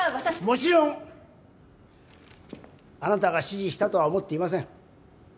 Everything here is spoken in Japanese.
もちろんあなたが指示したとは思っていません